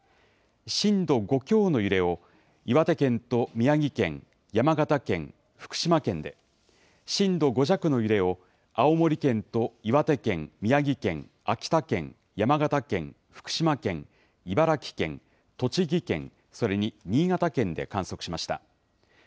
震度５強の揺れを岩手県と宮城県、山形県、福島県で、震度５弱の揺れを青森県と岩手県、宮城県、秋田県山形県、福島県、茨城県、栃木県、それに新潟県で観測しました。